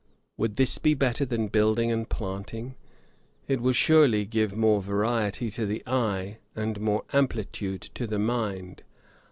Would this be better than building and planting? It would surely give more variety to the eye, and more amplitude to the mind.